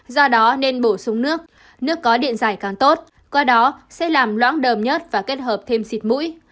do đó nên bổ sung nước nước có điện giải càng tốt qua đó sẽ làm loãng đờm nhớt và kết hợp thêm xịt mũi